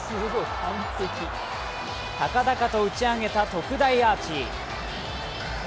高々と打ち上げた特大アーチ。